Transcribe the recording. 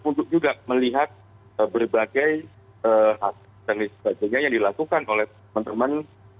untuk juga melihat berbagai hasil dan sebagainya yang dilakukan oleh teman teman